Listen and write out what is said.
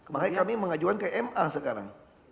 makanya kami mengajukan ke ma sekarang